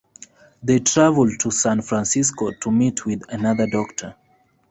They travel to San Francisco to meet with another doctor.